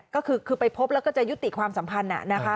ก็คือไปพบแล้วก็จะยุติความสัมพันธ์นะคะ